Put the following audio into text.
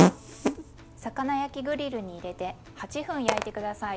魚焼きグリルに入れて８分焼いて下さい。